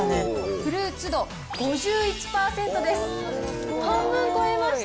フルーツ度５１％でした。